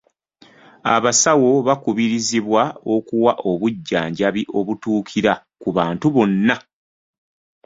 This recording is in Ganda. Abasawo bakubirizibwa okuwa obujjanjabi obutuukira ku bantu bonna.